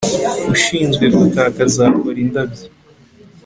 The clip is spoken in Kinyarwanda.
Ushinzwe gutaka azakora indabyo